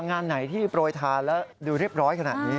งานไหนที่โปรยทานแล้วดูเรียบร้อยขนาดนี้